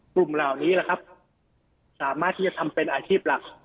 กลุ่มเหล่านี้แหละครับสามารถที่จะทำเป็นอาชีพหลัก